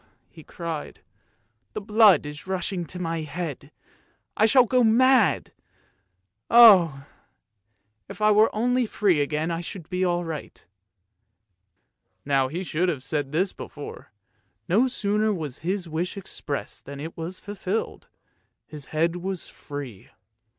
" he cried, " the blood is rushing to my head; I shall go mad. Oh! if I were only free again I should be all right." Now he should have said this before; no sooner was the wish expressed than it was fulfilled, his head was free.